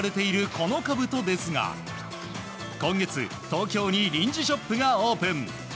このかぶとですが今月、東京に臨時ショップがオープン。